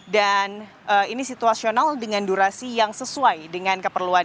dan ini situasional dengan durasi yang sesuai dengan keperluan